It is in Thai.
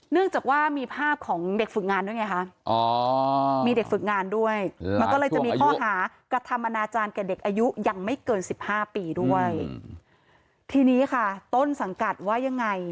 เนื่องจากว่ามีภาพของเด็กฝึกงานด้วยไงคะมีเด็กฝึกงานด้วยมันก็เลยจะมีข้อหากระทำอาณาจารย์แก่เด็กอายุยังไม่เกิน๑๕ปีด้วย